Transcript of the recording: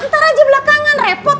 ntar aja belakangan repot